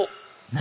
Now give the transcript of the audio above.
何？